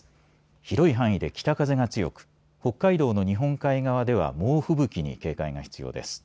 広い範囲で北風が強く北海道の日本海側では猛吹雪に警戒が必要です。